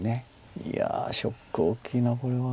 いやショック大きいなこれは。